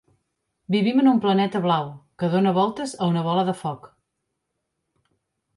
Vivim en un planeta blau, que dóna voltes a una bola de foc.